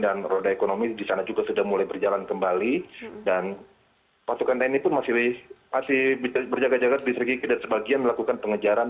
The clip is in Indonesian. dan roda ekonomi di sana juga sudah mulai berjalan kembali dan pasukan tni pun masih berjaga jaga di distrik yigi dan sebagian melakukan pengejaran